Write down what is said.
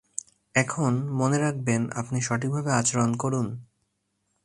এখন, মনে রাখবেন আপনি সঠিকভাবে আচরণ করুন।